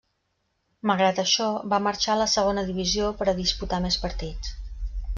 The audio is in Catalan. Malgrat això, va marxar a la Segona divisió per a disputar més partits.